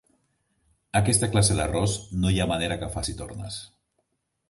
Aquesta classe d'arròs no hi ha manera que faci tornes.